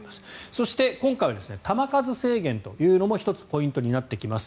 そして今回は球数制限というのも１つポイントになってきます。